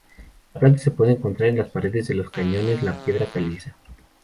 La planta se puede encontrar en las paredes de los cañones la piedra caliza.